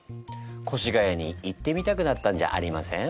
越谷に行ってみたくなったんじゃありません？